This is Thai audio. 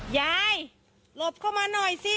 ยายหลบเข้ามาหน่อยสิ